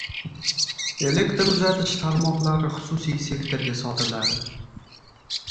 Elektr uzatish tarmoqlari xususiy sektorga sotiladi